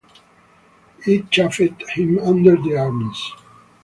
It chafed him under the arms.